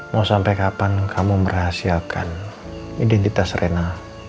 mau sampai kapan kamu merahasiakan identitas rena